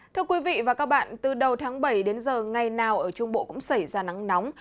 thưa quý vị và các bạn từ đầu tháng bảy đến giờ ngày nào ở trung bộ cũng xảy ra nắng nóng